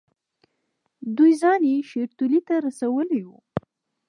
دوی ځان یې شیورتیلي ته رسولی وو.